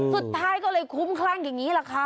สุดท้ายก็เลยคุ้มคลั่งอย่างนี้แหละค่ะ